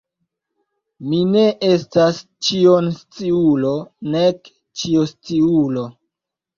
Mi ne estas ĉionsciulo, nek ĉiosciulo.